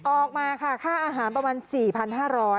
ออกมาค่ะค่าอาหารประมาณ๔๕๐๐บาท